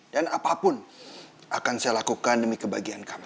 dan apapun akan saya lakukan demi kebahagiaan kamu